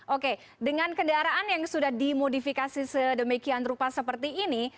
oke dengan kendaraan yang sudah dimodifikasi sedemikian rupa seperti ini